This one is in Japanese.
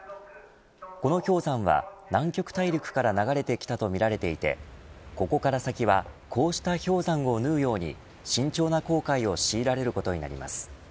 この氷山は南極大陸から流れてきたとみられていてここから先はこうした氷山を縫うように慎重な航海を強いられることになります。